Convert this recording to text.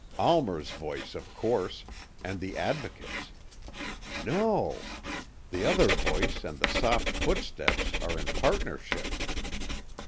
Almer's voice of course and the Advocate's. No the other voice and the soft footsteps are in partnership.